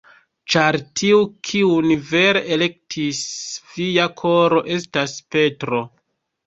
Ĉar tiu, kiun vere elektis via koro, estas Petro.